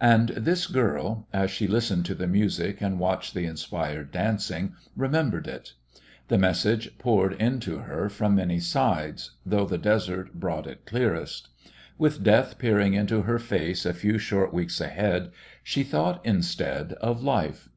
And this girl, as she listened to the music and watched the inspired dancing, remembered it. The message poured into her from many sides, though the desert brought it clearest. With death peering into her face a few short weeks ahead, she thought instead of life.